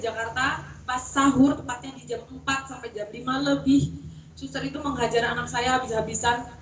jakarta pas sahur tempatnya di jam empat sampai jam lima lebih suster itu menghajar anak saya habis habisan